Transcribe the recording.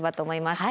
はい。